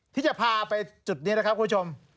ที่จะพาไปจุดนี้นะครับคุณผู้ชม